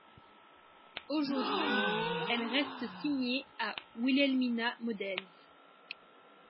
Aujourd'hui, elle reste signée à Wilhelmina Models.